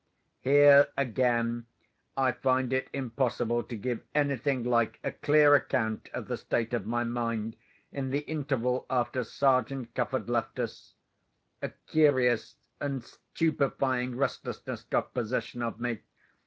Here again, I find it impossible to give anything like a clear account of the state of my mind in the interval after Sergeant Cuff had left us. A curious and stupefying restlessness got possession of me.